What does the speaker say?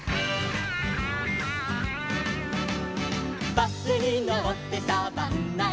「バスにのってサバンナへ」